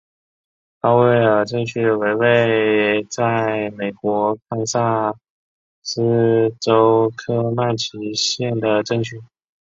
鲍威尔镇区为位在美国堪萨斯州科曼奇县的镇区。